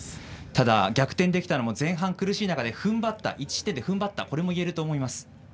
ただ逆転できたのも前半苦しい中で１失点で踏ん張ったこともいえると思います。